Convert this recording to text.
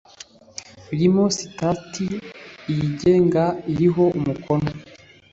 birimo sitati iyigenga iriho umukono